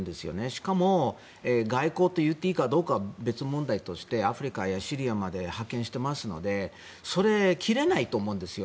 しかも外交といっていいかは別問題としてアフリカやシリアまで派遣していますのでそれ、切れないと思うんですよ。